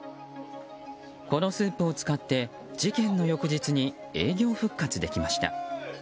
このスープを使って事件の翌日に営業復活できました。